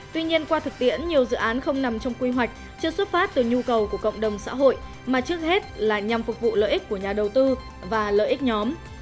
tuy nhiên qua thực tiễn nhiều dự án không nằm trong quy hoạch chưa xuất phát từ nhu cầu của cộng đồng xã hội mà trước hết là nhằm phục vụ lợi ích của nhà đầu tư và lợi ích nhóm